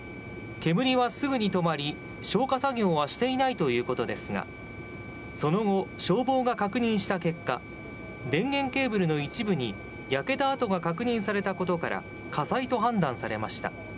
煙はすぐに止まり、消火作業はしていないということですが、その後、消防が確認した結果、電源ケーブルの一部に焼けた跡が確認されたことから、火災と判断されました。